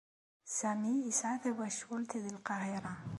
Sami yesɛa tawacult deg Lqahiṛa.